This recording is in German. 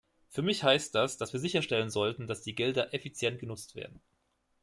Für mich heißt das, dass wir sicherstellen sollten, dass die Gelder effizient genutzt werden.